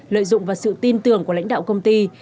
lợi dụng vào sự tin tưởng của lãnh đạo công ty